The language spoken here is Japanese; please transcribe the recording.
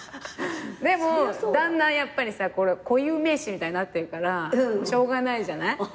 でもだんだんやっぱりさ固有名詞みたいになってるからしょうがないじゃない。